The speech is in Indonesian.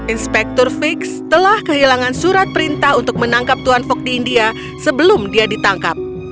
inspektur fix telah kehilangan surat perintah untuk menangkap tuan fok di india sebelum dia ditangkap